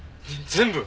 全部！？